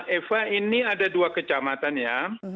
eva ini ada dua kecamatan ya